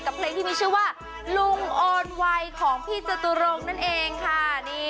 เพลงที่มีชื่อว่าลุงโอนไวของพี่จตุรงค์นั่นเองค่ะ